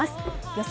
予想